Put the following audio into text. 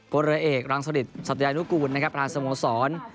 โปรแรกรังสศริตสัตว์ยานุคูณนะครับประธานสโมสร